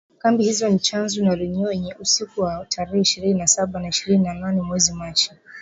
Kambi hizo ni Tchanzu na Runyonyi, usiku wa tarehe ishirini na saba na ishirini na nane mwezi Machi